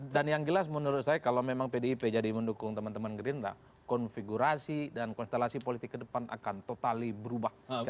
dan yang jelas menurut saya kalau memang pdip jadi mendukung teman teman gelindrah konfigurasi dan konstelasi politik ke depan akan totali berubah